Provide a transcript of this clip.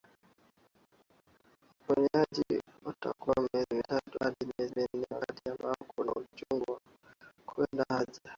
wa uponyaji utachukua miezi mitatu hadi miezi minne wakati ambao kuna uchungu kwenda haja